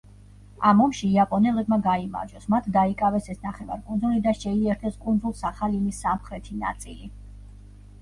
ამ ომში იაპონელებმა გაიმარჯვეს, მათ დაიკავეს ეს ნახევარკუნძული და შეიერთეს კუნძულ სახალინის სამხრეთი ნაწილი.